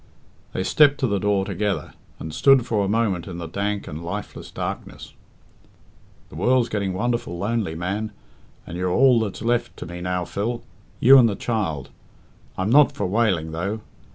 They stepped to the door together, and stood for a moment in the dank and lifeless darkness. "The world's getting wonderful lonely, man, and you're all that's left to me now, Phil you and the child. I'm not for wailing, though.